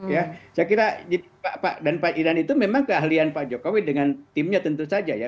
ya saya kira pak dan pak idan itu memang keahlian pak jokowi dengan timnya tentu saja ya